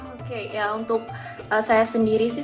oke ya untuk saya sendiri sih